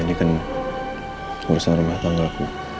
ini kan urusan rumah tangga aku